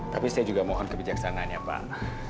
tapi saya juga mohon kebijaksanaannya pak